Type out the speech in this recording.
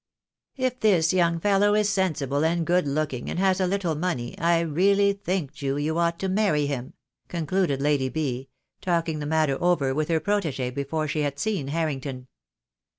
"If this young fellow is sensible and good looking, and has a little money, I really think, Ju, you ought to marry him," concluded Lady B., talking the matter over with her protegee before she had seen Harrington.